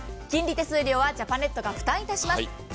金利手数料はジャパネットが負担いたします。